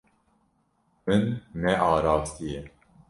Min nearastiye.